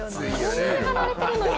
こんなに貼られてるのに。